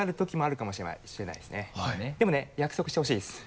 でもね約束してほしいです。